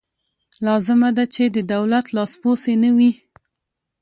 لازمه ده چې د دولت لاسپوڅې نه وي.